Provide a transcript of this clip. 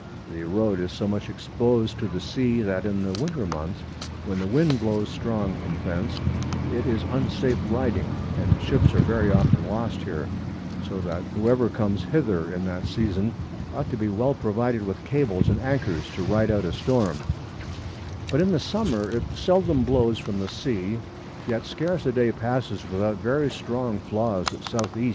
The Road is so much exposed to the sea, that in the Winter Months, when the Wind blows strong from thence, it is unsafe Riding, and Ships are very often lost here; so that whoever comes hither in that Season, ought to be well provided with Cables and Anchors to ride out a Storm: But in the Summer it seldom blows from the Sea; yet scarce a Day passes without very strong Flaws at S.